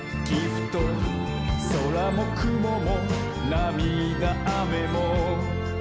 「そらもくももなみだあめも」